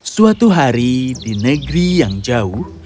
suatu hari di negeri yang jauh